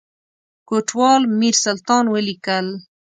کوټوال میرسلطان ولیکل.